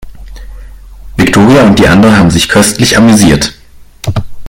Viktoria und die anderen haben sich köstlich amüsiert.